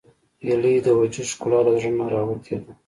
هیلۍ د وجود ښکلا له زړه نه راوتې ده